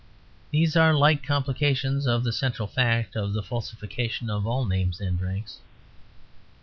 These are light complications of the central fact of the falsification of all names and ranks.